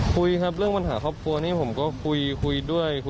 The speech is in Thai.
คุยครับเรื่องปัญหาครอบครัวนี้ผมก็คุยด้วย